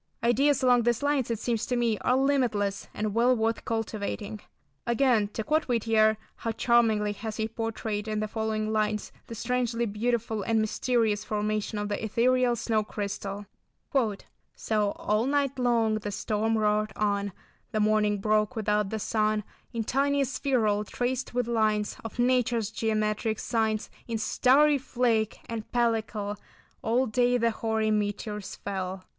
Ideas along these lines it seems to me are limitless and well worth cultivating. Again, to quote Whittier, how charmingly has he portrayed, in the following lines, the strangely beautiful and mysterious formation of the ethereal snow crystal: [Illustration: 93. Sleet, sharp and stinging] "So all night long the storm roared on; The morning broke without the sun; In tiny spherule traced with lines Of Nature's geometric signs, In starry flake, and pellicle, All day the hoary meteors fell."